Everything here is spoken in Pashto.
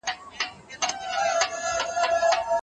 نو ښه داده، چي لدغسي نکاحوو څخه هم ډډه وسي.